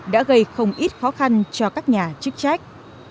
đã gây không ít khó khăn cho các nhà chức trách